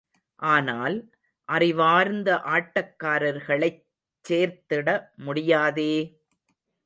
ஆனால், அறிவார்ந்த ஆட்டக்காரர்களைச் சேர்த்திட முடியாதே!